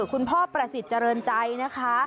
พ่อประสิทธิ์เจริญใจนะคะ